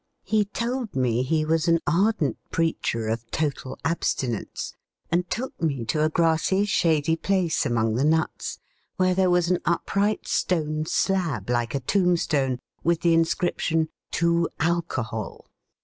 He told me he was an ardent preacher of total abstinence, and took me to a grassy, shady place among the nuts, where there was an upright stone slab, like a tombstone, with the inscription: TO ALCOHOL.